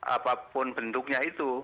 apapun bentuknya itu